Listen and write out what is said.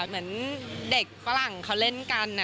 เหมือนเด็กฝรั่งเขาเล่นกัน